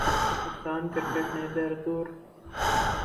Pakistan cricket نے بہرطور